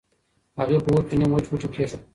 هغې په اور کې نيم وچ بوټی کېښود.